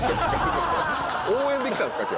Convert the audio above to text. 応援で来たんですか？